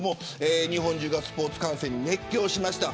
日本人がスポーツ観戦に熱狂しました。